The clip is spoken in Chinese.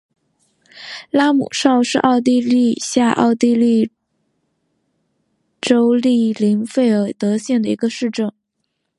拉姆绍是奥地利下奥地利州利林费尔德县的一个市镇。